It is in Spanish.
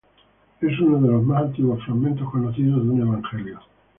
Es uno de los más antiguos fragmentos conocidos de un evangelio.